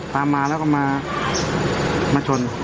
ตามมาแล้วก็มาชน